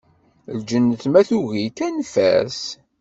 Lǧennet ma tugi-k, anef-as.